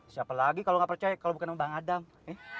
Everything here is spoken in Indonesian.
siapa lagi kalau nggak percaya kalau bukan bang adam